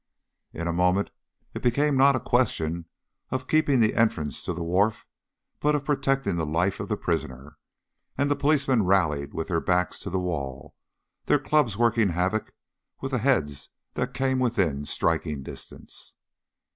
In a moment it became not a question of keeping the entrance to the wharf, but of protecting the life of the prisoner, and the policemen rallied with their backs to the wall, their clubs working havoc with the heads that came within striking distance.